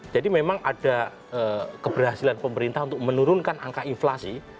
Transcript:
jadi memang ada keberhasilan pemerintah untuk menurunkan angka inflasi